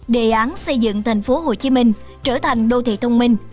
đề án xây dựng thành phố hồ chí minh trở thành đô thị thông minh